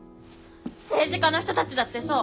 政治家の人たちだってそう！